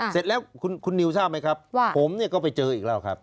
เสร็จแล้วคุณนิวทราบไหมครับว่าผมเนี่ยก็ไปเจออีกแล้วครับ